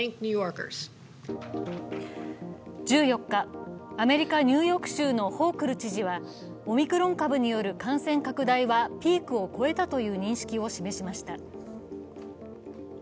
１４日、アメリカニューヨーク州のホークル知事はオミクロン株による感染拡大はピークを越えたとの認識を示しました。